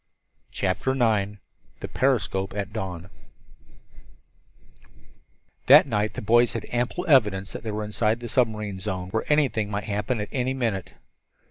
CHAPTER IX THE PERISCOPE AT DAWN That night the boys had ample evidence that they were inside the submarine zone, where anything might happen at any minute.